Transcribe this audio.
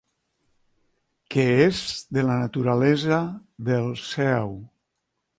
Que és de la naturalesa del sèu.